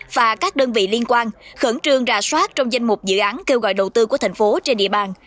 và các đơn vị liên quan khẩn trương rà soát trong danh mục dự án kêu gọi đầu tư của thành phố trên địa bàn